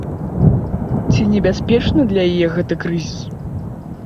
Ці небяспечны для яе гэты крызіс?